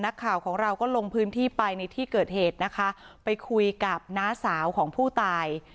นักข่าวของเราก็ลงพื้นที่ไปในที่เกิดเหตุนะคะไปคุยกับน้าสาวของผู้ตาย